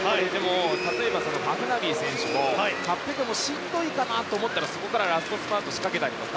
例えばハフナウイ選手も８００ｍもしんどいかなと思ったらそこからラストスパートを仕掛けたりとか。